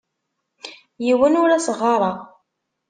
Yiwen ur as-ɣɣareɣ.